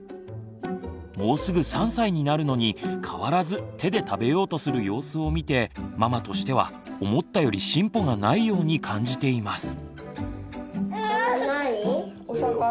もうすぐ３歳になるのに変わらず手で食べようとする様子を見てママとしては思ったより進歩がないように感じています。